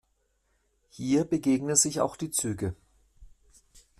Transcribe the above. Hier begegnen sich auch die Züge.